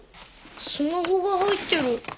スマホが入ってる。